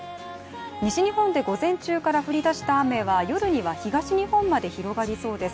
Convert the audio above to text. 西日本で午前中から降りだした雨は夜には東日本まで広がりそうです。